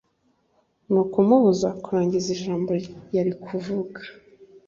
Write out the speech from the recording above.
ni ukumubuza kurangiza ijambo yari kuvuga